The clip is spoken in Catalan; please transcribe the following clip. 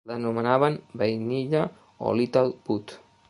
L'anomenaven "vainilla" o "little pod".